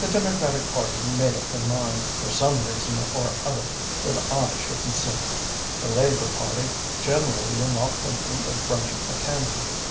"The Democratic Party made up their mind, for some reason or other, that I shouldn't sit. The Labour Party generally were not thinking of running a candidate.